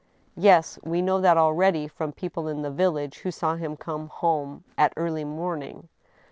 " Yes. We know that already from people in the village who saw him come home at early morning."